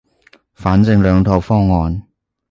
反正兩套方案